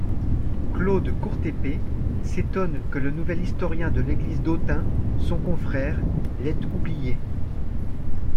Claude Courtépée s'étonne que le nouvel historien de l'église d'Autun, son confrère, l'ait oublié.